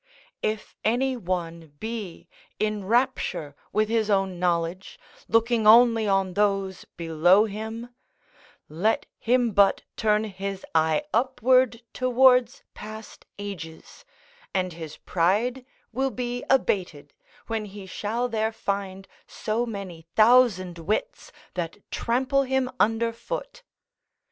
If any one be in rapture with his own knowledge, looking only on those below him, let him but turn his eye upward towards past ages, and his pride will be abated, when he shall there find so many thousand wits that trample him under foot.